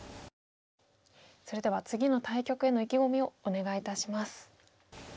それでは次の対局への意気込みをお願いいたします。